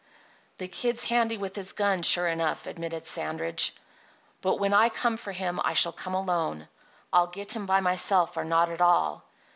"The Kid's handy with his gun, sure enough," admitted Sandridge, "but when I come for him I shall come alone. I'll get him by myself or not at all.